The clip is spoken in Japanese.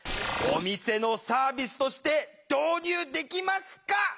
お店のサービスとして導入できますか？